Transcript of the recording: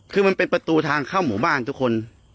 คือมันเป็นประตูทางเข้าหมู่บ้านทุกคน